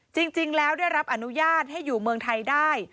จริงแล้วได้รับอนุญาตให้อยู่เมืองไทยได้